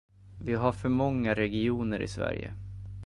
Vi har för många regioner i Sverige.